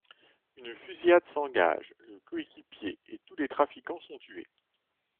Une fusillade s'engage, le coéquipier et tous les trafiquants sont tués.